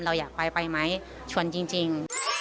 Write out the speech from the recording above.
เราอยากไปไปไหมชวนจริง